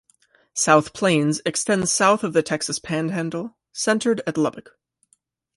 South Plains extends south of the Texas Panhandle, centered at Lubbock.